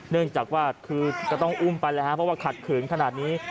เนื่องจากว่าคือก็ต้องอุ้มไปแล้วครับเพราะว่าขัดขืนขนาดนี้